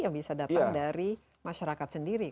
yang bisa datang dari masyarakat sendiri